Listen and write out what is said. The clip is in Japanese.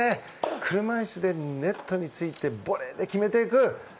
車いすで、ネットに詰めてボレーで決めていった。